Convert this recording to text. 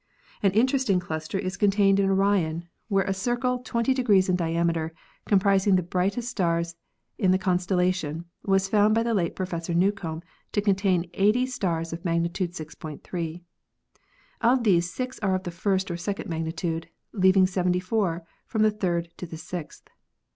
An interesting cluster is contained in NEBULA AND STAR CLUSTERS 305 Orion, where a circle 20 degrees in diameter, comprising the brightest stars of the constellation, was found by the late Professor Newcomb to contain 80 stars of magnitude 6.3. Of these six are of the first or second magnitude, leaving 74 from the third to the sixth.